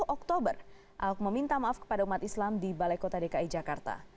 dua puluh oktober ahok meminta maaf kepada umat islam di balai kota dki jakarta